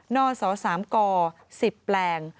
นอนสอสามกอ๑๐แปลง